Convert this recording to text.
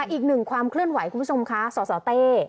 อีกหนึ่งความเคลื่อนไหวคุณผู้ชมคะสสเต้